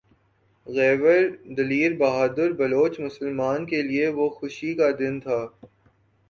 غیور دلیر بہادر بلوچ مسلمان کے لیئے وہ خوشی کا دن تھا